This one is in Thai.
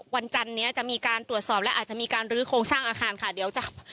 วันจันนี้จะมีการตรวจสอบและอาจจะมีการลื้อโครงสร้างอาคารค่ะเดี๋ยวจะ